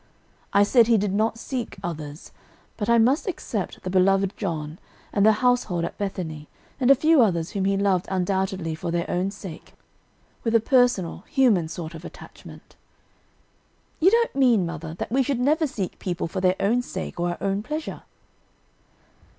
I said He did not seek others, but I must except the beloved John, and the household at Bethany, and a few others whom He loved undoubtedly for their own sake, with a personal, human sort of attachment." "You don't mean, mother, that we should never seek people for their own sake or our own pleasure?"